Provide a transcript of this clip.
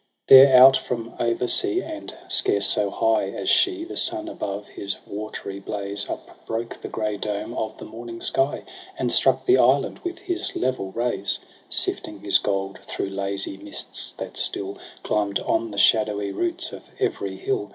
4 There, out from over sea, and scarce so high As she, the sun above his watery blaze Upbroke the grey dome of the morning sky. And struck the island with his level rays ; Sifting, his gold thro' lazy mists, that still Climb'd on the shadowy roots of every hill.